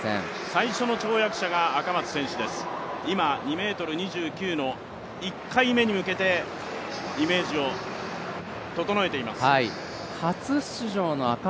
最初の跳躍者が赤松選手です、今、２ｍ２９の１回目に向けて、イメージを整えています。